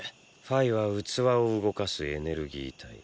ファイは器を動かすエネルギー体。